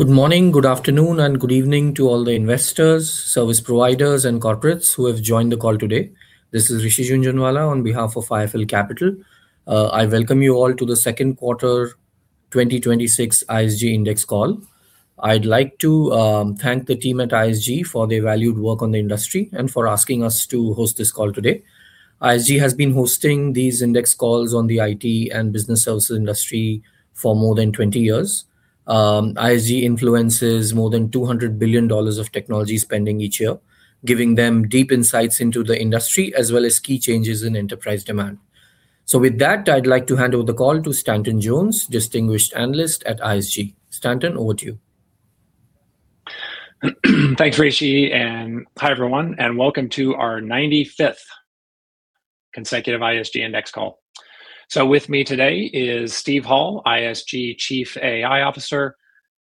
Good morning, good afternoon, and good evening to all the investors, service providers, and corporates who have joined the call today. This is Rishi Jhunjhunwala on behalf of IIFL Capital. I welcome you all to the second quarter 2026 ISG Index call. I'd like to thank the team at ISG for their valued work on the industry and for asking us to host this call today. ISG has been hosting these index calls on the IT and business services industry for more than 20 years. ISG influences more than $200 billion of technology spending each year, giving them deep insights into the industry, as well as key changes in enterprise demand. With that, I'd like to hand over the call to Stanton Jones, Distinguished Analyst at ISG. Stanton, over to you. Thanks, Rishi, hi, everyone, and welcome to our 95th consecutive ISG Index call. With me today is Steve Hall, ISG Chief AI Officer,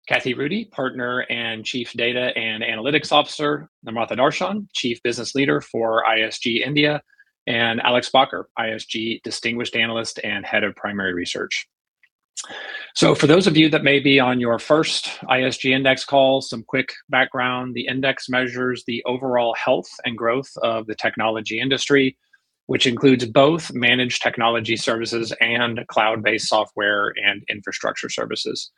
Kathy Rudy, Partner and Chief Data and Analytics Officer, Namratha Dharshan, Chief Business Leader for ISG India, and Alex Bakker, ISG Distinguished Analyst and Head of Primary Research. For those of you that may be on your first ISG Index call, some quick background. The index measures the overall health and growth of the technology industry, which includes both managed technology services and cloud-based software and infrastructure services.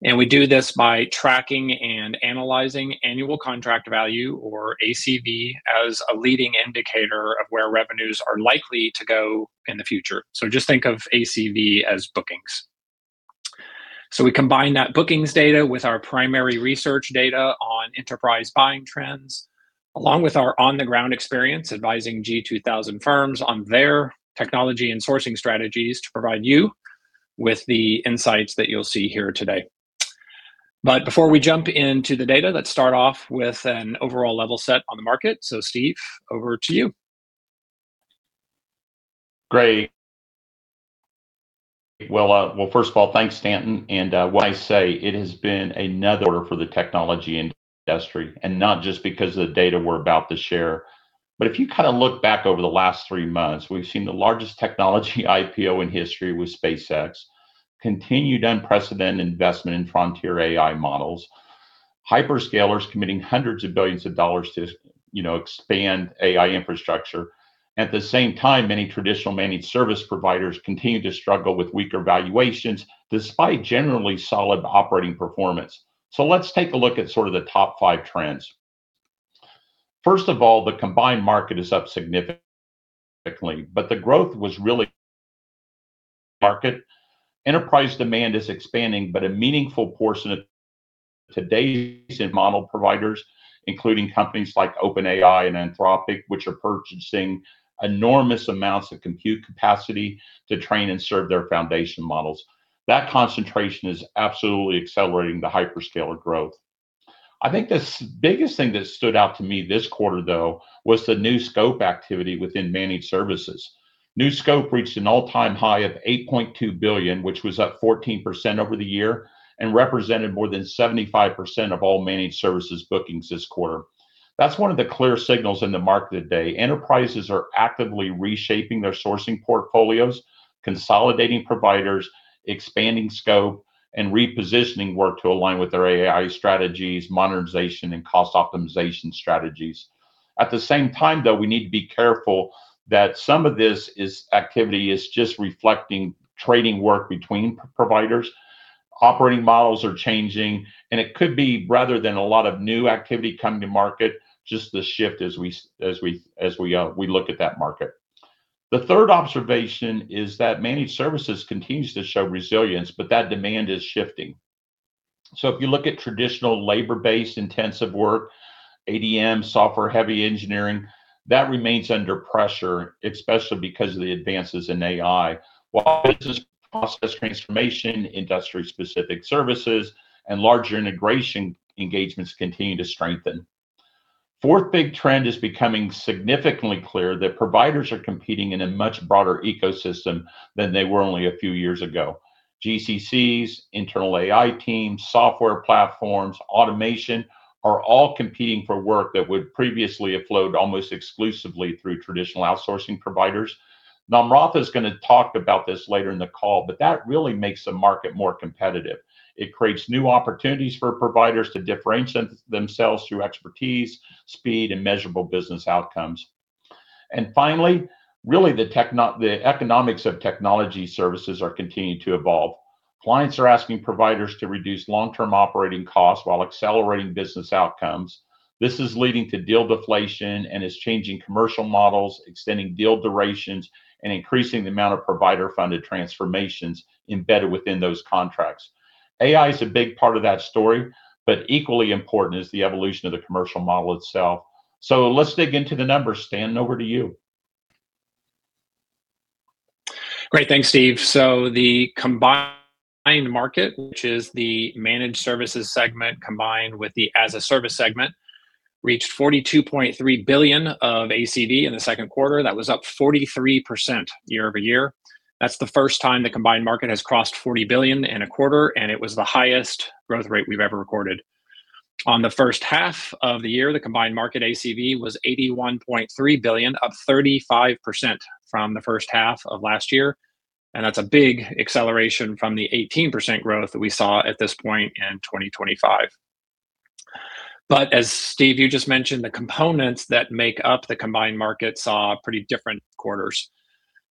We do this by tracking and analyzing annual contract value, or ACV, as a leading indicator of where revenues are likely to go in the future. Just think of ACV as bookings. We combine that bookings data with our primary research data on enterprise buying trends, along with our on-the-ground experience advising G2000 firms on their technology and sourcing strategies to provide you with the insights that you'll see here today. Before we jump into the data, let's start off with an overall level set on the market. Steve, over to you. Great. First of all, thanks, Stanton, what I say, it has been another for the technology industry, not just because of the data we're about to share. If you look back over the last three months, we've seen the largest technology IPO in history with SpaceX, continued unprecedented investment in frontier AI models, hyperscalers committing hundreds of billions of dollars to expand AI infrastructure. At the same time, many traditional managed service providers continue to struggle with weaker valuations, despite generally solid operating performance. Let's take a look at sort of the top five trends. First of all, the combined market is up significantly, but the growth was really market. Enterprise demand is expanding, but a meaningful portion of today's model providers, including companies like OpenAI and Anthropic, which are purchasing enormous amounts of compute capacity to train and serve their foundation models. That concentration is absolutely accelerating the hyperscaler growth. I think the biggest thing that stood out to me this quarter, though, was the new scope activity within managed services. New scope reached an all-time high of $8.2 billion, which was up 14% over the year and represented more than 75% of all managed services bookings this quarter. That's one of the clear signals in the market today. Enterprises are actively reshaping their sourcing portfolios, consolidating providers, expanding scope, and repositioning work to align with their AI strategies, modernization, and cost optimization strategies. At the same time, though, we need to be careful that some of this activity is just reflecting trading work between providers. Operating models are changing. It could be rather than a lot of new activity coming to market, just the shift as we look at that market. The third observation is that managed services continues to show resilience, but that demand is shifting. If you look at traditional labor-based intensive work, ADM, software-heavy engineering, that remains under pressure, especially because of the advances in AI. While business process transformation, industry-specific services, and larger integration engagements continue to strengthen. Fourth big trend is becoming significantly clear that providers are competing in a much broader ecosystem than they were only a few years ago. GCCs, internal AI teams, software platforms, automation are all competing for work that would previously have flowed almost exclusively through traditional outsourcing providers. Namratha is going to talk about this later in the call. That really makes the market more competitive. It creates new opportunities for providers to differentiate themselves through expertise, speed, and measurable business outcomes. Finally, really the economics of technology services are continuing to evolve. Clients are asking providers to reduce long-term operating costs while accelerating business outcomes. This is leading to deal deflation and is changing commercial models, extending deal durations, and increasing the amount of provider-funded transformations embedded within those contracts. AI is a big part of that story. Equally important is the evolution of the commercial model itself. Let's dig into the numbers. Stanton, over to you. Great. Thanks, Steve. The combined market, which is the managed services segment combined with the as a service segment, reached $42.3 billion of ACV in the second quarter. That was up 43% year-over-year. That's the first time the combined market has crossed $40 billion in a quarter, and it was the highest growth rate we've ever recorded. On the first half of the year, the combined market ACV was $81.3 billion, up 35% from the first half of last year. That's a big acceleration from the 18% growth that we saw at this point in 2025. As Steve, you just mentioned, the components that make up the combined market saw pretty different quarters.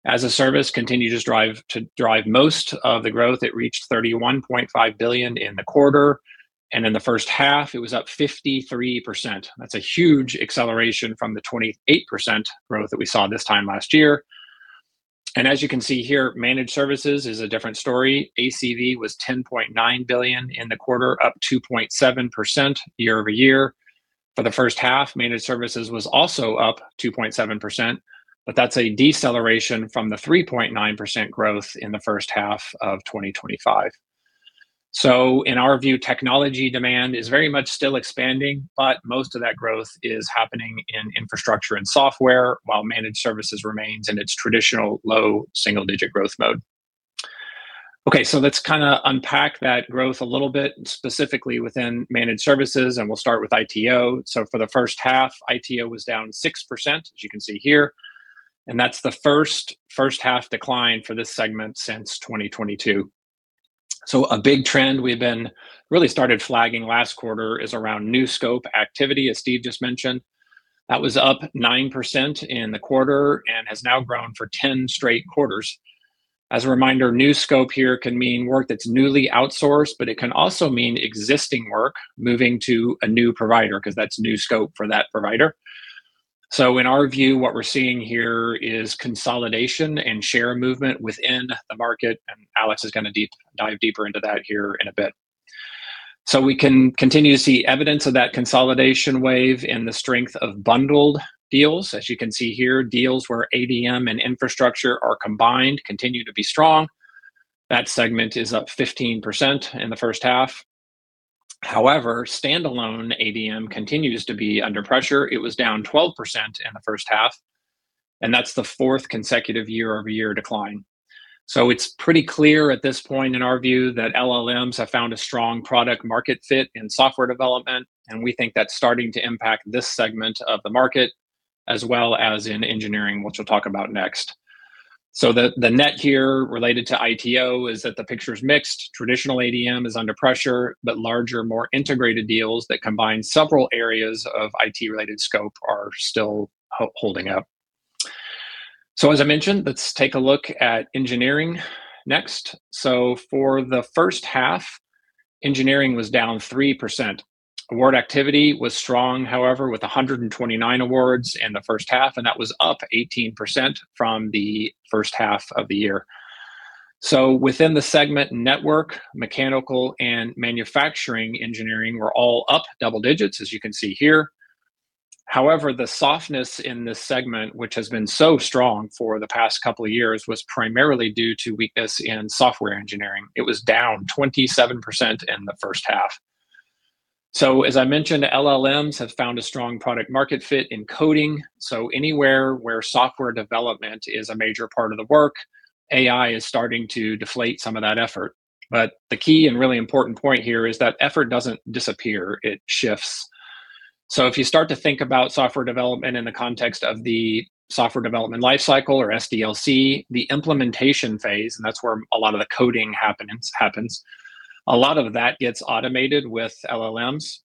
As a service continued to drive most of the growth, it reached $31.5 billion in the quarter. In the first half it was up 53%. That's a huge acceleration from the 28% growth that we saw this time last year. Managed services is a different story. ACV was $10.9 billion in the quarter, up 2.7% year-over-year. For the first half, managed services was also up 2.7%, but that's a deceleration from the 3.9% growth in the first half of 2025. In our view, technology demand is very much still expanding, but most of that growth is happening in infrastructure and software, while managed services remains in its traditional low single-digit growth mode. Let's unpack that growth a little bit, specifically within managed services, and we'll start with ITO. For the first half, ITO was down 6%, as you can see here, and that's the first half decline for this segment since 2022. A big trend we've really started flagging last quarter is around new scope activity, as Steve just mentioned. That was up 9% in the quarter and has now grown for 10 straight quarters. As a reminder, new scope here can mean work that's newly outsourced, but it can also mean existing work moving to a new provider, because that's new scope for that provider. In our view, what we're seeing here is consolidation and share movement within the market, Alex is going to dive deeper into that here in a bit. We can continue to see evidence of that consolidation wave in the strength of bundled deals. As you can see here, deals where ADM and infrastructure are combined continue to be strong. That segment is up 15% in the first half. However, standalone ADM continues to be under pressure. It was down 12% in the first half, and that's the 4th consecutive year-over-year decline. It's pretty clear at this point in our view that LLMs have found a strong product market fit in software development, and we think that's starting to impact this segment of the market, as well as in engineering, which we'll talk about next. The net here related to ITO is that the picture's mixed. Traditional ADM is under pressure, but larger, more integrated deals that combine several areas of IT-related scope are still holding up. As I mentioned, let's take a look at engineering next. For the first half, engineering was down 3%. Award activity was strong, however, with 129 awards in the first half, and that was up 18% from the first half of the year. Within the segment, network, mechanical, and manufacturing engineering were all up double digits, as you can see here. However, the softness in this segment, which has been so strong for the past couple of years, was primarily due to weakness in software engineering. It was down 27% in the first half. As I mentioned, LLMs have found a strong product market fit in coding. Anywhere where software development is a major part of the work, AI is starting to deflate some of that effort. The key and really important point here is that effort doesn't disappear, it shifts. If you start to think about software development in the context of the software development life cycle, or SDLC, the implementation phase, and that's where a lot of the coding happens, a lot of that gets automated with LLMs.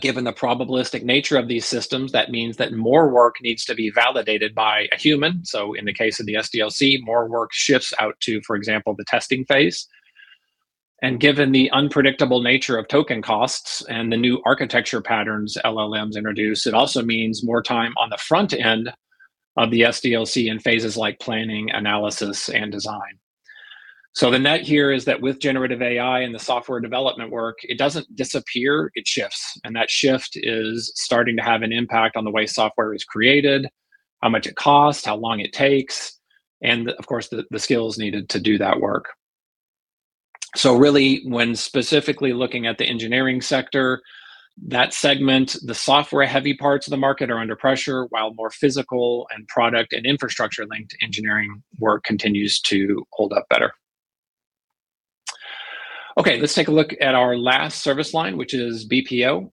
Given the probabilistic nature of these systems, that means that more work needs to be validated by a human. In the case of the SDLC, more work shifts out to, for example, the testing phase. Given the unpredictable nature of token costs and the new architecture patterns LLMs introduce, it also means more time on the front end of the SDLC in phases like planning, analysis, and design. The net here is that with generative AI and the software development work, it doesn't disappear, it shifts. That shift is starting to have an impact on the way software is created, how much it costs, how long it takes, and of course, the skills needed to do that work. Really when specifically looking at the engineering sector, that segment, the software-heavy parts of the market are under pressure, while more physical and product and infrastructure linked engineering work continues to hold up better. Okay, let's take a look at our last service line, which is BPO.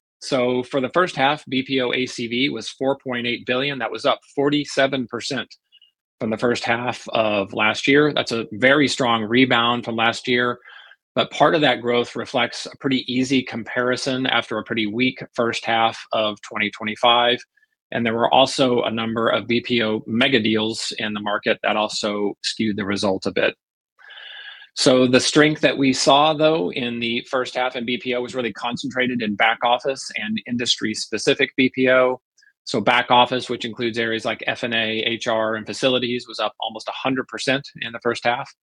For the first half, BPO ACV was $4.8 billion. That was up 47% from the first half of last year. That's a very strong rebound from last year. Part of that growth reflects a pretty easy comparison after a pretty weak first half of 2025, and there were also a number of BPO megadeals in the market that also skewed the results a bit. The strength that we saw, though, in the first half in BPO was really concentrated in back office and industry-specific BPO. Back office, which includes areas like F&A, HR, and facilities, was up almost 100% in the first half,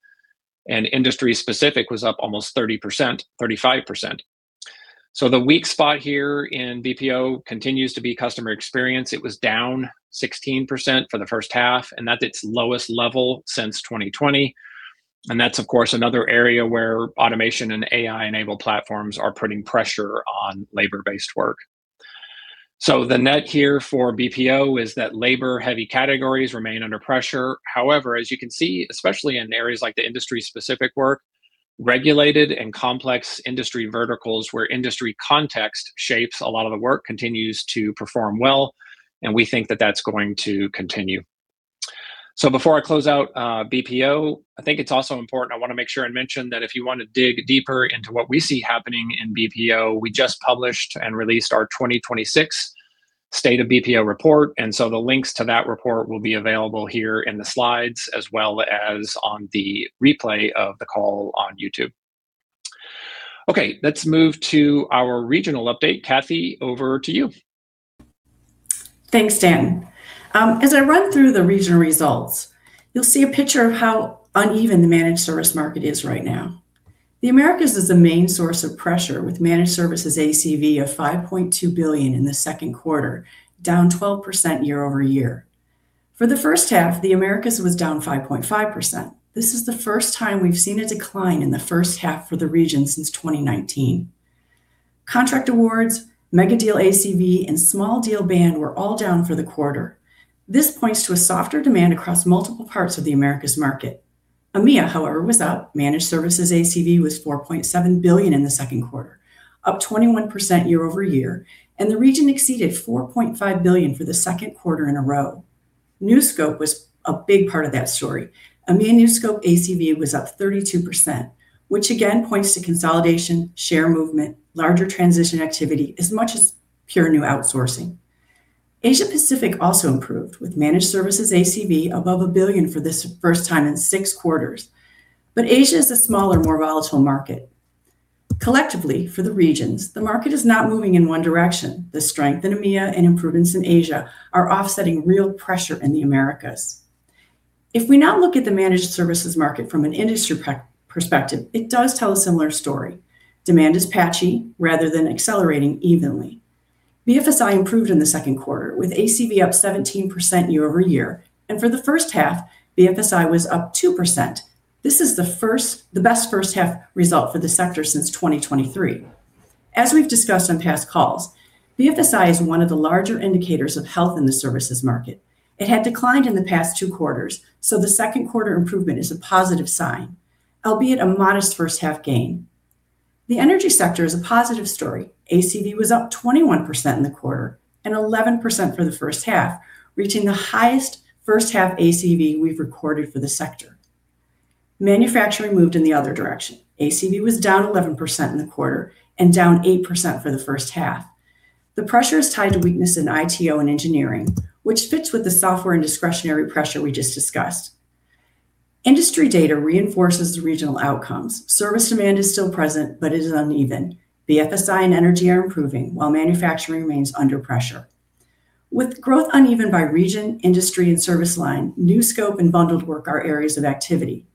and industry specific was up almost 35%. The weak spot here in BPO continues to be customer experience. It was down 16% for the first half, and that's its lowest level since 2020. That's of course another area where automation and AI-enabled platforms are putting pressure on labor-based work. The net here for BPO is that labor-heavy categories remain under pressure. However, as you can see, especially in areas like the industry-specific work, regulated and complex industry verticals where industry context shapes a lot of the work, continues to perform well, and we think that that's going to continue. Before I close out BPO, I think it's also important, I want to make sure and mention that if you want to dig deeper into what we see happening in BPO, we just published and released our 2026 State of BPO Report, the links to that report will be available here in the slides, as well as on the replay of the call on YouTube. Okay, let's move to our regional update. Kathy, over to you. Thanks, Stanton. As I run through the regional results, you'll see a picture of how uneven the managed service market is right now. The Americas is the main source of pressure, with managed services ACV of $5.2 billion in the second quarter, down 12% year-over-year. For the first half, the Americas was down 5.5%. This is the first time we've seen a decline in the first half for the region since 2019. Contract awards, mega deal ACV, and small deal band were all down for the quarter. This points to a softer demand across multiple parts of the Americas market. EMEA, however, was up. Managed services ACV was $4.7 billion in the second quarter, up 21% year-over-year, and the region exceeded $4.5 billion for the second quarter in a row. New scope was a big part of that story. EMEA new scope ACV was up 32%, which again points to consolidation, share movement, larger transition activity, as much as pure new outsourcing. Asia Pacific also improved, with managed services ACV above $1 billion for the first time in 6 quarters. Asia is a smaller, more volatile market. Collectively, for the regions, the market is not moving in one direction. The strength in EMEA and improvements in Asia are offsetting real pressure in the Americas. If we now look at the managed services market from an industry perspective, it does tell a similar story. Demand is patchy rather than accelerating evenly. BFSI improved in the second quarter, with ACV up 17% year-over-year, and for the first half, BFSI was up 2%. This is the best first half result for the sector since 2023. As we've discussed on past calls, BFSI is one of the larger indicators of health in the services market. It had declined in the past two quarters. The second quarter improvement is a positive sign, albeit a modest first half gain. The energy sector is a positive story. ACV was up 21% in the quarter and 11% for the first half, reaching the highest first half ACV we've recorded for the sector. Manufacturing moved in the other direction. ACV was down 11% in the quarter and down 8% for the first half. The pressure is tied to weakness in ITO and engineering, which fits with the software and discretionary pressure we just discussed. Industry data reinforces the regional outcomes. Service demand is still present, it is uneven. BFSI and energy are improving while manufacturing remains under pressure. With growth uneven by region, industry, and service line, new scope and bundled work are areas of activity.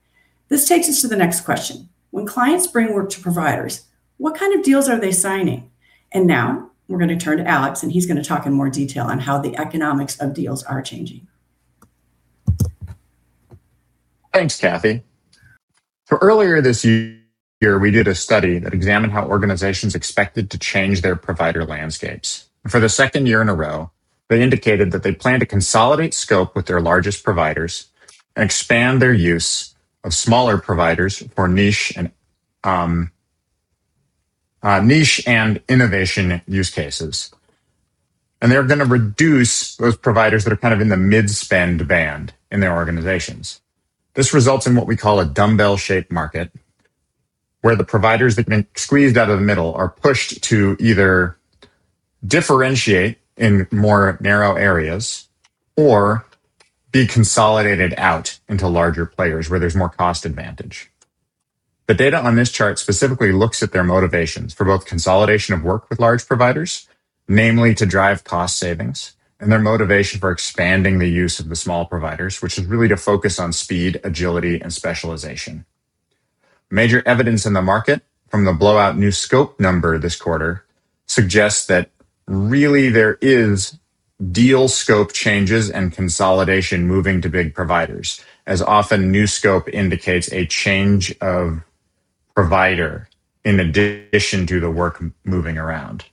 This takes us to the next question. When clients bring work to providers, what kind of deals are they signing? Now we're going to turn to Alex, and he's going to talk in more detail on how the economics of deals are changing. Thanks, Kathy. Earlier this year, we did a study that examined how organizations expected to change their provider landscapes. For the second year in a row, they indicated that they plan to consolidate scope with their largest providers and expand their use of smaller providers for niche and innovation use cases. They're going to reduce those providers that are kind of in the mid-spend band in their organizations. This results in what we call a dumbbell-shape market, where the providers that have been squeezed out of the middle are pushed to either differentiate in more narrow areas or be consolidated out into larger players where there's more cost advantage. The data on this chart specifically looks at their motivations for both consolidation of work with large providers, namely to drive cost savings, and their motivation for expanding the use of the small providers, which is really to focus on speed, agility, and specialization. Major evidence in the market from the blowout new scope number this quarter suggests that really there is deal scope changes and consolidation moving to big providers, as often new scope indicates a change of provider in addition to the work moving around.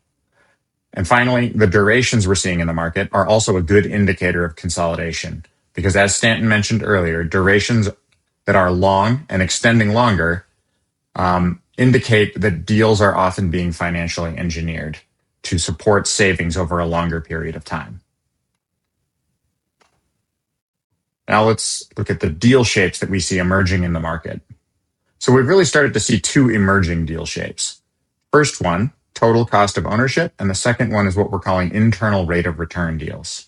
Finally, the durations we're seeing in the market are also a good indicator of consolidation, because as Stanton mentioned earlier, durations that are long and extending longer indicate that deals are often being financially engineered to support savings over a longer period of time. Now let's look at the deal shapes that we see emerging in the market. We've really started to see two emerging deal shapes. First one, total cost of ownership, and the second one is what we're calling internal rate of return deals.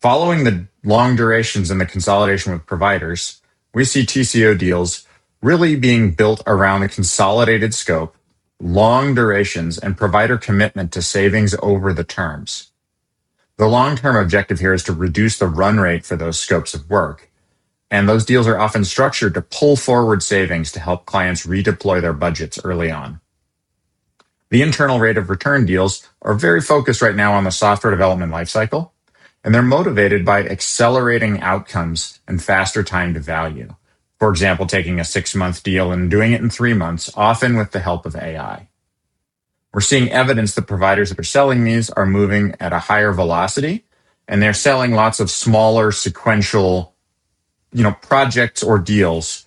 Following the long durations and the consolidation with providers, we see TCO deals really being built around a consolidated scope, long durations, and provider commitment to savings over the terms. The long-term objective here is to reduce the run rate for those scopes of work, those deals are often structured to pull forward savings to help clients redeploy their budgets early on. The internal rate of return deals are very focused right now on the software development life cycle, and they're motivated by accelerating outcomes and faster time to value. For example, taking a six-month deal and doing it in three months, often with the help of AI. We're seeing evidence that providers that are selling these are moving at a higher velocity, they're selling lots of smaller sequential projects or deals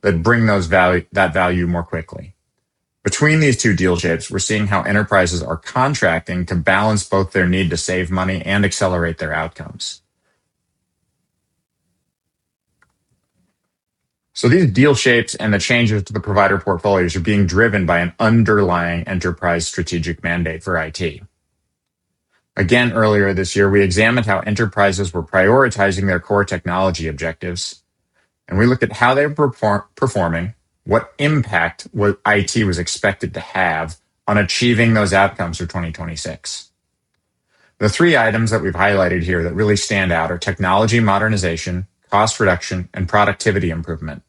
that bring that value more quickly. Between these two deal shapes, we're seeing how enterprises are contracting to balance both their need to save money and accelerate their outcomes. These deal shapes and the changes to the provider portfolios are being driven by an underlying enterprise strategic mandate for IT. Again, earlier this year, we examined how enterprises were prioritizing their core technology objectives, we looked at how they were performing, what impact IT was expected to have on achieving those outcomes for 2026. The three items that we've highlighted here that really stand out are technology modernization, cost reduction, and productivity improvement.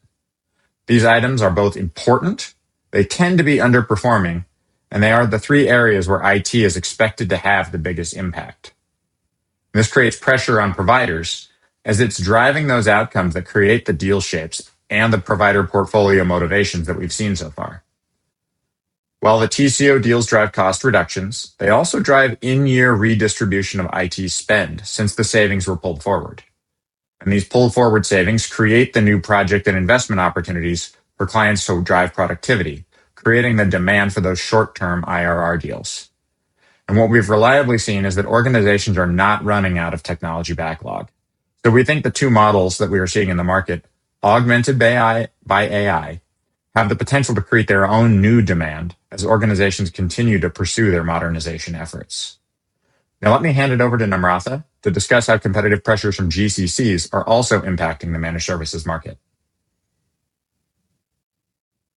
These items are both important, they tend to be underperforming, and they are the three areas where IT is expected to have the biggest impact. This creates pressure on providers as it's driving those outcomes that create the deal shapes and the provider portfolio motivations that we've seen so far. While the TCO deals drive cost reductions, they also drive in-year redistribution of IT spend since the savings were pulled forward. These pulled forward savings create the new project and investment opportunities for clients to drive productivity, creating the demand for those short-term IRR deals. What we've reliably seen is that organizations are not running out of technology backlog. We think the two models that we are seeing in the market, augmented by AI, have the potential to create their own new demand as organizations continue to pursue their modernization efforts. Let me hand it over to Namratha to discuss how competitive pressures from GCCs are also impacting the managed services market.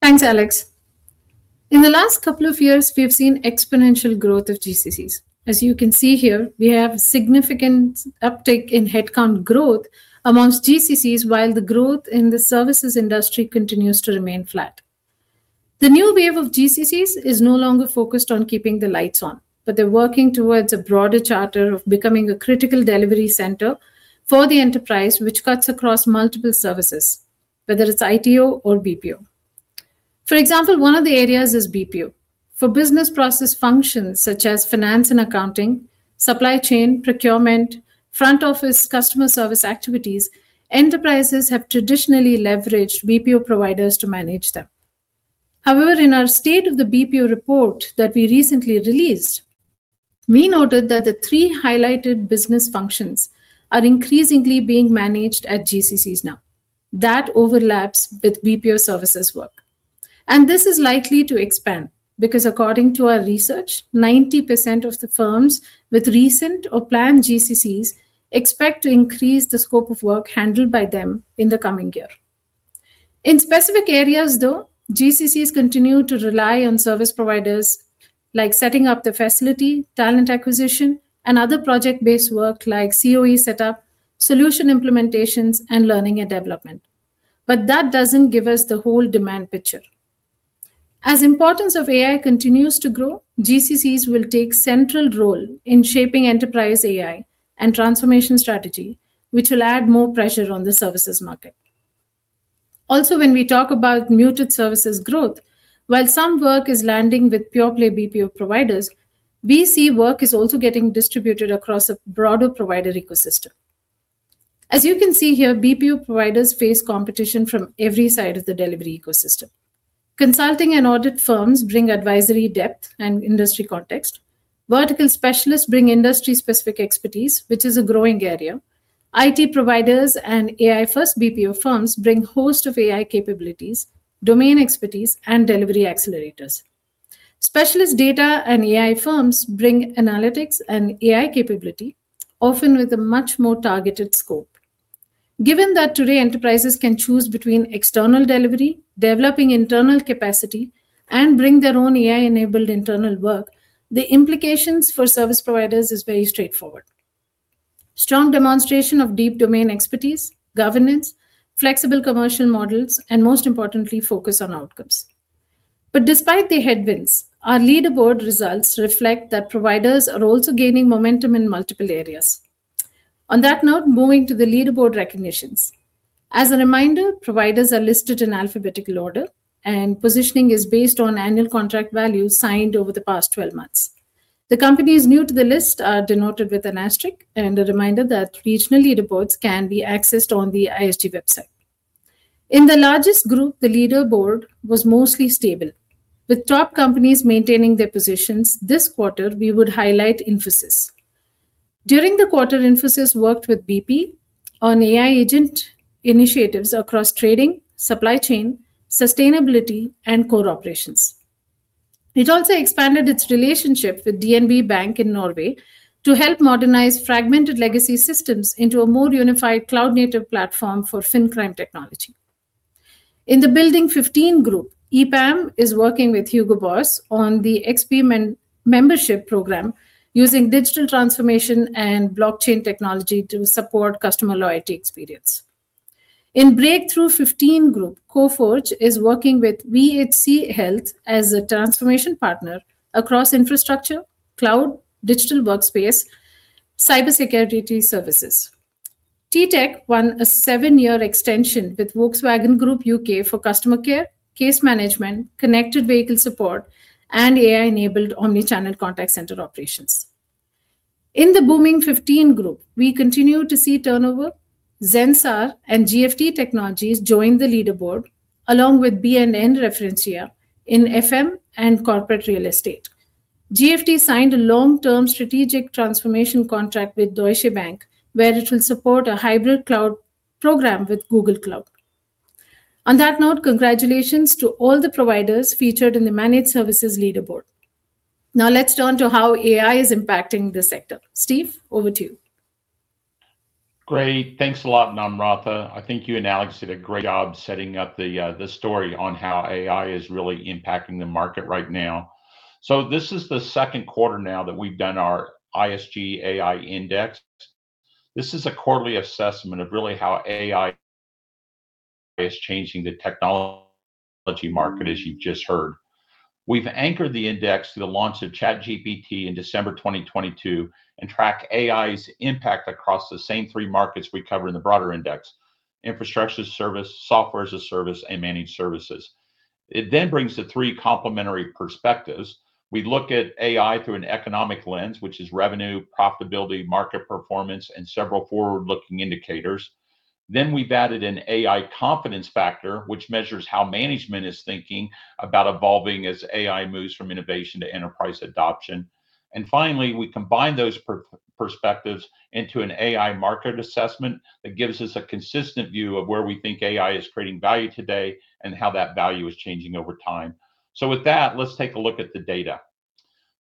Thanks, Alex. In the last couple of years, we have seen exponential growth of GCCs. As you can see here, we have significant uptick in headcount growth amongst GCCs while the growth in the services industry continues to remain flat. The new wave of GCCs is no longer focused on keeping the lights on, but they're working towards a broader charter of becoming a critical delivery center for the enterprise, which cuts across multiple services, whether it's ITO or BPO. For example, one of the areas is BPO. For business process functions such as finance and accounting, supply chain, procurement, front office customer service activities, enterprises have traditionally leveraged BPO providers to manage them. However, in our State of BPO Report that we recently released, we noted that the three highlighted business functions are increasingly being managed at GCCs now. That overlaps with BPO services work. This is likely to expand because according to our research, 90% of the firms with recent or planned GCCs expect to increase the scope of work handled by them in the coming year. In specific areas, though, GCCs continue to rely on service providers like setting up the facility, talent acquisition, and other project-based work like COE setup, solution implementations, and learning and development. That doesn't give us the whole demand picture. As importance of AI continues to grow, GCCs will take central role in shaping enterprise AI and transformation strategy, which will add more pressure on the services market. When we talk about muted services growth, while some work is landing with pure-play BPO providers, we see work is also getting distributed across a broader provider ecosystem. As you can see here, BPO providers face competition from every side of the delivery ecosystem. Consulting and audit firms bring advisory depth and industry context. Vertical specialists bring industry-specific expertise, which is a growing area. IT providers and AI-first BPO firms bring host of AI capabilities, domain expertise, and delivery accelerators. Specialist data and AI firms bring analytics and AI capability, often with a much more targeted scope. Given that today enterprises can choose between external delivery, developing internal capacity, and bring their own AI-enabled internal work, the implications for service providers is very straightforward. Strong demonstration of deep domain expertise, governance, flexible commercial models, and most importantly, focus on outcomes. Despite the headwinds, our leaderboard results reflect that providers are also gaining momentum in multiple areas. On that note, moving to the leaderboard recognitions. As a reminder, providers are listed in alphabetical order, and positioning is based on annual contract value signed over the past 12 months. The companies new to the list are denoted with an asterisk, and a reminder that regional leaderboards can be accessed on the ISG website. In the largest group, the leaderboard was mostly stable, with top companies maintaining their positions. This quarter, we would highlight Infosys. During the quarter, Infosys worked with BP on AI agent initiatives across trading, supply chain, sustainability, and core operations. It also expanded its relationship with DNB Bank in Norway to help modernize fragmented legacy systems into a more unified cloud-native platform for fincrime technology. In the Building 15 group, EPAM is working with Hugo Boss on the XP membership program using digital transformation and blockchain technology to support customer loyalty experience. In Breakthrough 15 group, Coforge is working with VHC Health as a transformation partner across infrastructure, cloud, digital workspace Cybersecurity services. TTEC won a seven-year extension with Volkswagen Group U.K. for customer care, case management, connected vehicle support, and AI-enabled omni-channel contact center operations. In the Booming 15 group, we continue to see turnover. Zensar and GFT Technologies joined the leaderboard, along with BNP Paribas Real Estate here in FM and corporate real estate. GFT signed a long-term strategic transformation contract with Deutsche Bank, where it will support a hybrid cloud program with Google Cloud. On that note, congratulations to all the providers featured in the Managed Services leaderboard. Let's turn to how AI is impacting the sector. Steve, over to you. Great. Thanks a lot, Namratha. I think you and Alex did a great job setting up the story on how AI is really impacting the market right now. This is the second quarter now that we've done our ISG AI Index. This is a quarterly assessment of really how AI is changing the technology market, as you just heard. We've anchored the index to the launch of ChatGPT in December 2022 and track AI's impact across the same three markets we cover in the broader index: infrastructure as a service, software as a service, and managed services. It then brings the three complementary perspectives. We look at AI through an economic lens, which is revenue, profitability, market performance, and several forward-looking indicators. Then we've added an AI confidence factor, which measures how management is thinking about evolving as AI moves from innovation to enterprise adoption. Finally, we combine those perspectives into an AI market assessment that gives us a consistent view of where we think AI is creating value today and how that value is changing over time. With that, let's take a look at the data.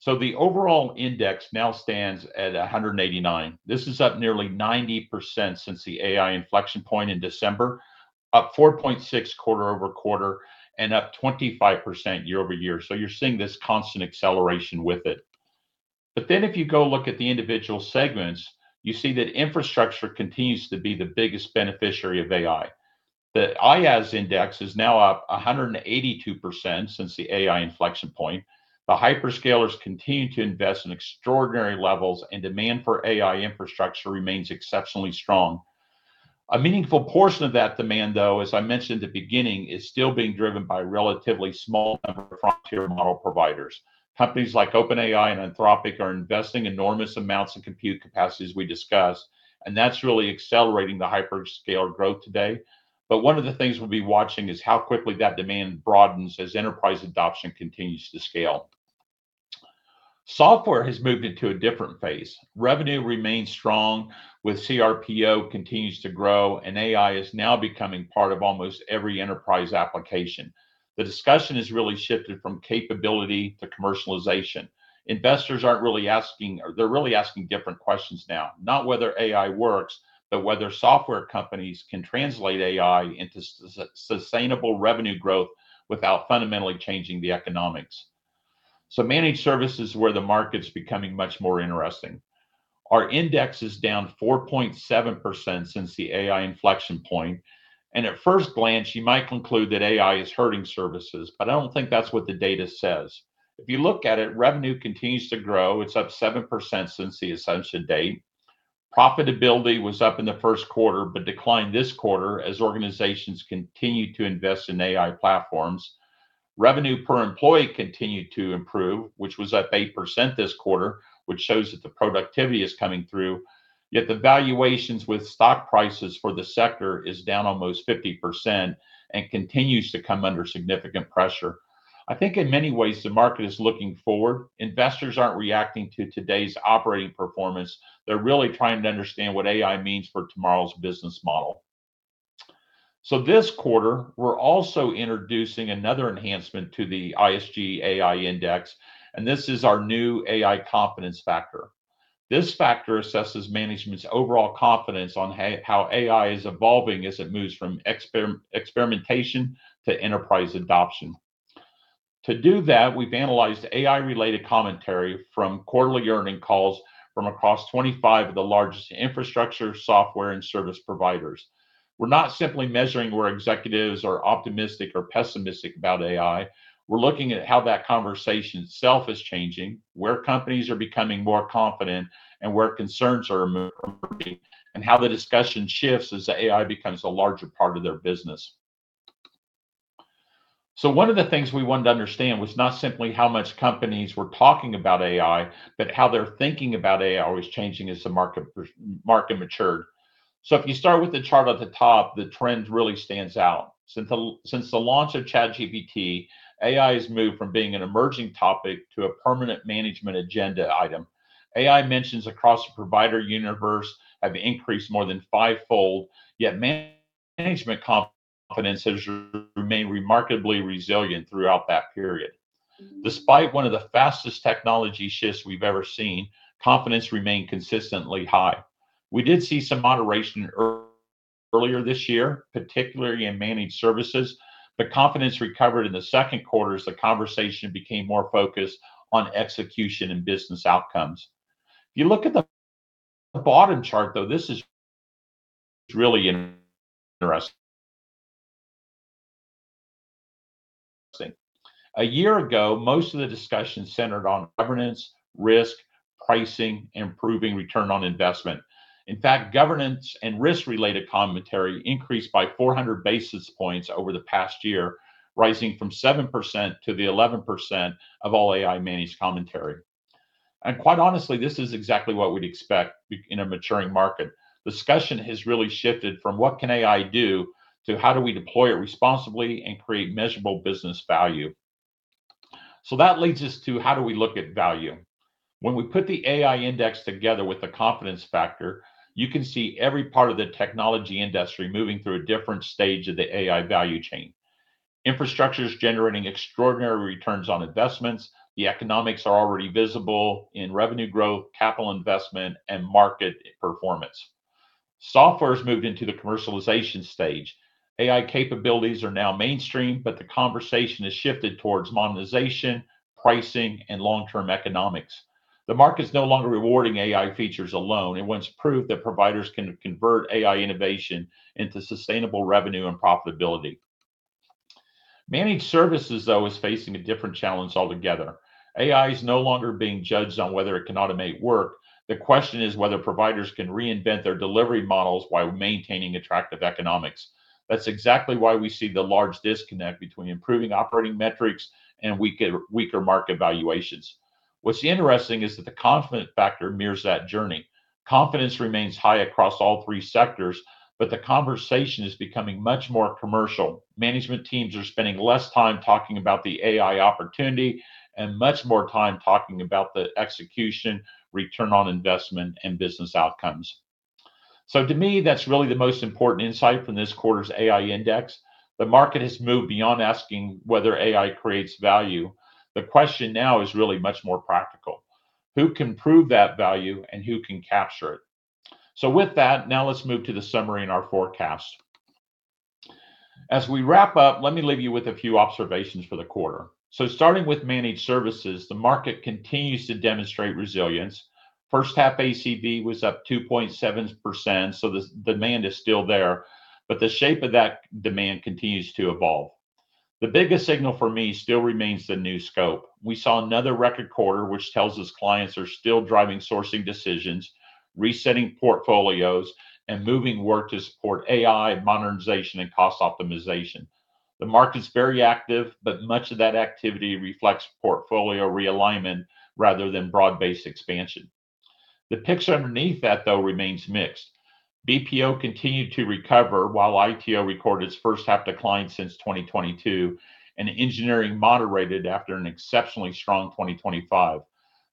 The overall Index now stands at 189. This is up nearly 90% since the AI inflection point in December, up 4.6% quarter-over-quarter, and up 25% year-over-year. You're seeing this constant acceleration with it. If you go look at the individual segments, you see that infrastructure continues to be the biggest beneficiary of AI. The IaaS Index is now up 182% since the AI inflection point. The hyperscalers continue to invest in extraordinary levels, and demand for AI infrastructure remains exceptionally strong. A meaningful portion of that demand, though, as I mentioned at the beginning, is still being driven by a relatively small number of frontier model providers. Companies like OpenAI and Anthropic are investing enormous amounts in compute capacity, as we discussed, and that's really accelerating the hyperscaler growth today. One of the things we'll be watching is how quickly that demand broadens as enterprise adoption continues to scale. Software has moved into a different phase. Revenue remains strong with CRPO continues to grow, AI is now becoming part of almost every enterprise application. The discussion has really shifted from capability to commercialization. Investors are really asking different questions now, not whether AI works, but whether software companies can translate AI into sustainable revenue growth without fundamentally changing the economics. Managed service is where the market's becoming much more interesting. Our Index is down 4.7% since the AI inflection point, at first glance, you might conclude that AI is hurting services, but I don't think that's what the data says. If you look at it, revenue continues to grow. It's up 7% since the ascension date. Profitability was up in the first quarter but declined this quarter as organizations continued to invest in AI platforms. Revenue per employee continued to improve, which was up 8% this quarter, which shows that the productivity is coming through. Yet the valuations with stock prices for the sector is down almost 50% and continues to come under significant pressure. In many ways, the market is looking forward. Investors aren't reacting to today's operating performance. They're really trying to understand what AI means for tomorrow's business model. This quarter, we're also introducing another enhancement to the ISG AI Index, and this is our new AI confidence factor. This factor assesses management's overall confidence on how AI is evolving as it moves from experimentation to enterprise adoption. To do that, we've analyzed AI-related commentary from quarterly earning calls from across 25 of the largest infrastructure, software, and service providers. We're not simply measuring where executives are optimistic or pessimistic about AI. We're looking at how that conversation itself is changing, where companies are becoming more confident and where concerns are emerging, and how the discussion shifts as the AI becomes a larger part of their business. One of the things we wanted to understand was not simply how much companies were talking about AI, but how their thinking about AI was changing as the market matured. If you start with the chart at the top, the trend really stands out. Since the launch of ChatGPT, AI has moved from being an emerging topic to a permanent management agenda item. AI mentions across the provider universe have increased more than fivefold, yet management confidence has remained remarkably resilient throughout that period. Despite one of the fastest technology shifts we've ever seen, confidence remained consistently high. We did see some moderation earlier this year, particularly in managed services, but confidence recovered in the second quarter as the conversation became more focused on execution and business outcomes. If you look at the bottom chart, though, this is really interesting. A year ago, most of the discussion centered on governance, risk, pricing, and improving return on investment. In fact, governance and risk-related commentary increased by 400 basis points over the past year, rising from 7% to the 11% of all AI-managed commentary. Quite honestly, this is exactly what we'd expect in a maturing market. Discussion has really shifted from what can AI do, to how do we deploy it responsibly and create measurable business value. That leads us to how do we look at value? When we put the AI Index together with the confidence factor, you can see every part of the technology industry moving through a different stage of the AI value chain. Infrastructure is generating extraordinary returns on investments. The economics are already visible in revenue growth, capital investment, and market performance. Software's moved into the commercialization stage. AI capabilities are now mainstream, but the conversation has shifted towards monetization, pricing, and long-term economics. The market's no longer rewarding AI features alone. It wants proof that providers can convert AI innovation into sustainable revenue and profitability. Managed services, though, is facing a different challenge altogether. AI is no longer being judged on whether it can automate work. The question is whether providers can reinvent their delivery models while maintaining attractive economics. That's exactly why we see the large disconnect between improving operating metrics and weaker market valuations. What's interesting is that the confidence factor mirrors that journey. Confidence remains high across all three sectors, but the conversation is becoming much more commercial. Management teams are spending less time talking about the AI opportunity and much more time talking about the execution, return on investment, and business outcomes. To me, that's really the most important insight from this quarter's AI Index. The market has moved beyond asking whether AI creates value. The question now is really much more practical. Who can prove that value, and who can capture it? With that, now let's move to the summary and our forecast. As we wrap up, let me leave you with a few observations for the quarter. Starting with managed services, the market continues to demonstrate resilience. First half ACV was up 2.7%, so the demand is still there, but the shape of that demand continues to evolve. The biggest signal for me still remains the new scope. We saw another record quarter, which tells us clients are still driving sourcing decisions, resetting portfolios, and moving work to support AI modernization and cost optimization. The market's very active, but much of that activity reflects portfolio realignment rather than broad-based expansion. The picture underneath that, though, remains mixed. BPO continued to recover while ITO recorded its first half decline since 2022, and engineering moderated after an exceptionally strong 2025.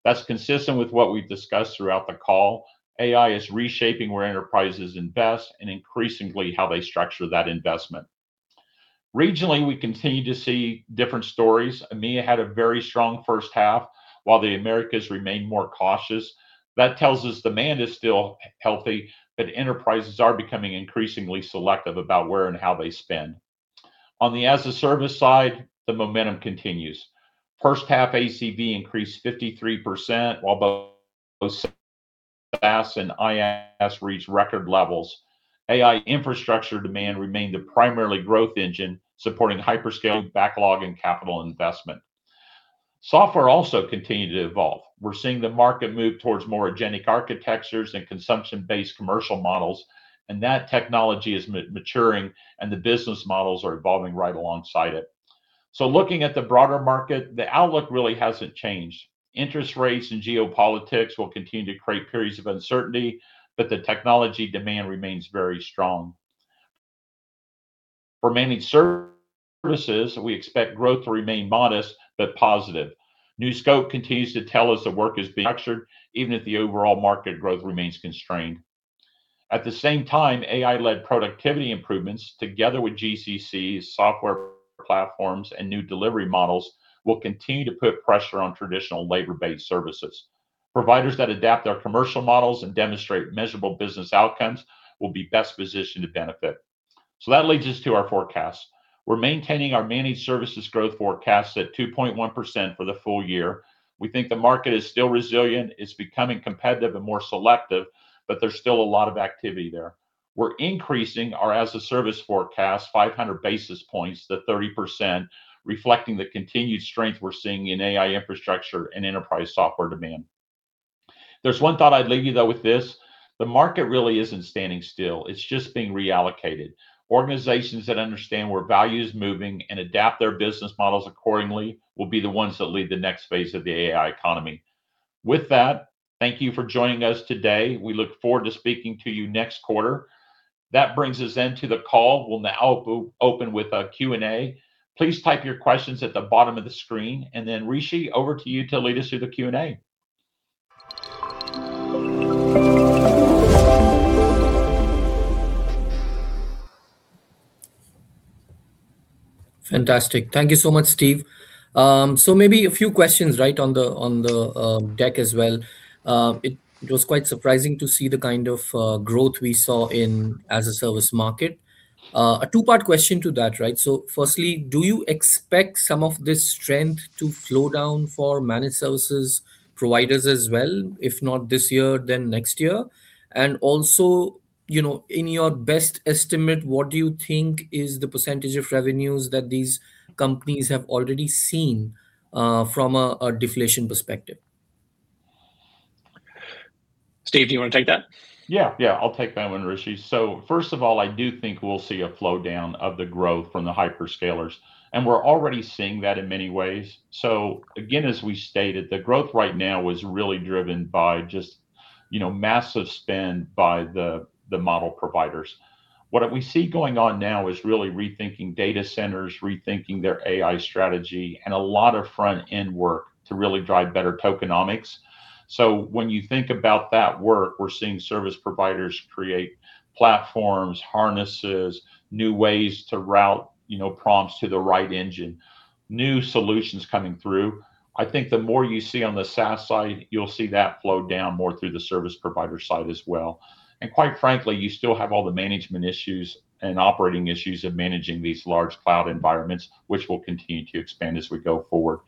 That's consistent with what we've discussed throughout the call. AI is reshaping where enterprises invest and increasingly how they structure that investment. Regionally, we continue to see different stories. EMEA had a very strong first half, while the Americas remained more cautious. That tells us demand is still healthy, but enterprises are becoming increasingly selective about where and how they spend. On the as-a-service side, the momentum continues. First half ACV increased 53%, while both IaaS and SaaS reached record levels. AI infrastructure demand remained the primary growth engine, supporting hyperscale backlog and capital investment. Software also continued to evolve. We're seeing the market move towards more agentic architectures and consumption-based commercial models, that technology is maturing and the business models are evolving right alongside it. Looking at the broader market, the outlook really hasn't changed. Interest rates and geopolitics will continue to create periods of uncertainty, but the technology demand remains very strong. For managed services, we expect growth to remain modest but positive. New scope continues to tell us that work is being structured, even if the overall market growth remains constrained. At the same time, AI-led productivity improvements, together with GCCs, software platforms, and new delivery models, will continue to put pressure on traditional labor-based services. Providers that adapt their commercial models and demonstrate measurable business outcomes will be best positioned to benefit. That leads us to our forecast. We're maintaining our managed services growth forecast at 2.1% for the full year. We think the market is still resilient. It's becoming competitive and more selective, but there's still a lot of activity there. We're increasing our as-a-service forecast 500 basis points to 30%, reflecting the continued strength we're seeing in AI infrastructure and enterprise software demand. There's one thought I'd leave you, though, with this. The market really isn't standing still. It's just being reallocated. Organizations that understand where value is moving and adapt their business models accordingly will be the ones that lead the next phase of the AI economy. With that, thank you for joining us today. We look forward to speaking to you next quarter. That brings us, then, to the call. We'll now open with a Q&A. Please type your questions at the bottom of the screen, then Rishi, over to you to lead us through the Q&A. Fantastic. Thank you so much, Steve. Maybe a few questions right on the deck as well. It was quite surprising to see the kind of growth we saw in as-a-service market. A two-part question to that, right? Firstly, do you expect some of this strength to flow down for managed services providers as well, if not this year, then next year? Also, in your best estimate, what do you think is the percentage of revenues that these companies have already seen from a deflation perspective? Steve, do you want to take that? Yeah, I'll take that one, Rishi. First of all, I do think we'll see a flow down of the growth from the hyperscalers. We're already seeing that in many ways. Again, as we stated, the growth right now is really driven by just massive spend by the model providers. What we see going on now is really rethinking data centers, rethinking their AI strategy, and a lot of front-end work to really drive better tokenomics. When you think about that work, we're seeing service providers create platforms, harnesses, new ways to route prompts to the right engine, new solutions coming through. I think the more you see on the SaaS side, you'll see that flow down more through the service provider side as well. Quite frankly, you still have all the management issues and operating issues of managing these large cloud environments, which will continue to expand as we go forward.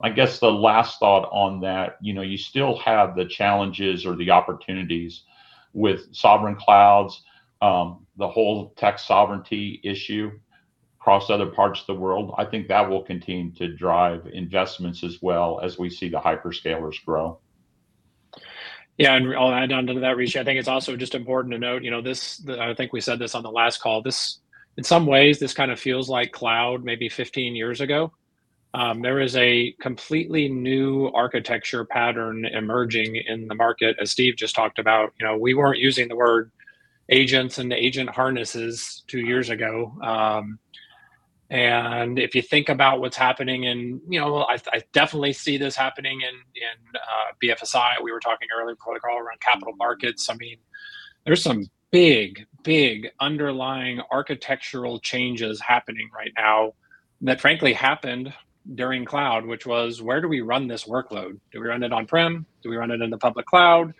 I guess the last thought on that, you still have the challenges or the opportunities with sovereign clouds, the whole tech sovereignty issue across other parts of the world. I think that will continue to drive investments as well as we see the hyperscalers grow. Yeah, I'll add on to that, Rishi. I think it's also just important to note, I think we said this on the last call, in some ways, this kind of feels like cloud maybe 15 years ago. There is a completely new architecture pattern emerging in the market, as Steve just talked about. We weren't using the word agents and agent harnesses two years ago. If you think about what's happening in I definitely see this happening in BFSI. We were talking earlier in the call around capital markets. There's some big underlying architectural changes happening right now that frankly happened during cloud, which was, "Where do we run this workload? Do we run it on-prem? Do we run it in the public cloud?